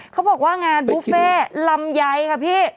เขาบอกว่างานบุฟเฟ่ลำไยค่ะพี่